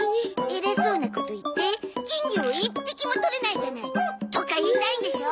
「偉そうなこと言って金魚を一匹も捕れないじゃない」とか言いたいんでしょ？